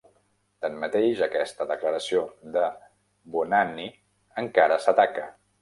Tanmateix, aquesta declaració de Buonanni encara s'ataca.